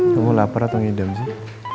kamu lapar atau ngidam sih